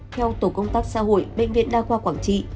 theo tổ công tác xã hội bệnh viện đa khoa quảng trị